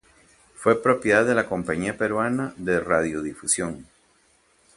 Fue propiedad de la Compañía Peruana de Radiodifusión